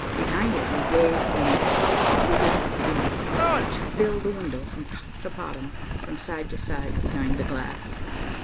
Behind it, we gazed on a solid wooden panel, which filled the window from top to bottom, from side to side, behind the glass.